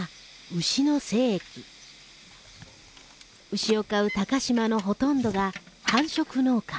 牛を飼う鷹島のほとんどが繁殖農家。